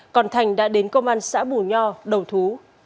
còn thành đã đến công an xã bù nho đầu thú